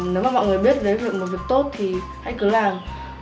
nếu mà mọi người biết đấy là một việc tốt thì hãy cứ làm